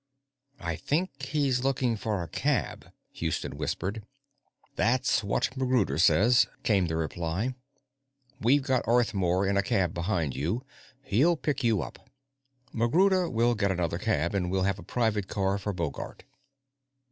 "I think he's looking for a cab," Houston whispered. "That's what MacGruder says," came the reply. "We've got Arthmore in a cab behind you; he'll pick you up. MacGruder will get another cab, and we have a private car for Bogart."